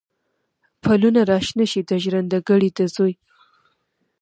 پلونه را شنه شي، د ژرند ګړی د زوی